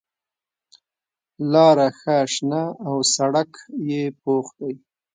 لاره ښه شنه او سړک یې پوخ دی.